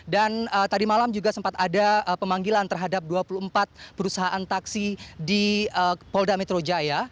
dan tadi malam juga sempat ada pemanggilan terhadap dua puluh empat perusahaan taksi di polda metro jaya